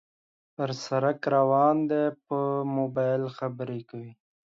پر سړک روان دى په موبایل خبرې کوي